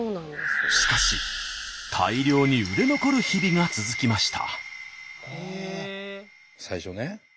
しかし大量に売れ残る日々が続きました。